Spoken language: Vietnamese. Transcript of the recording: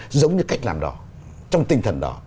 giống như cách làm đó trong tinh thần đó